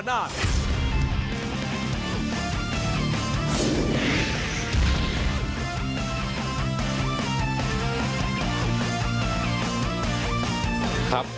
สวัสดีครับ